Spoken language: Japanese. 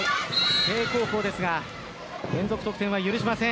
誠英高校ですが連続得点は許しません。